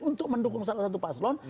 untuk mendukung salah satu paslon